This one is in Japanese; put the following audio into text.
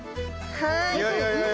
はい。